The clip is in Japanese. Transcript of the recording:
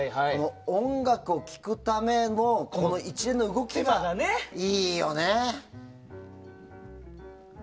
音楽を聴くための一連の動きがいいよね。